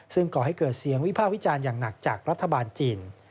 ซึ่งก่อให้เกิดเสียงวิพากษ์วิจารณ์อย่างหนักจากรัฐบาลจีน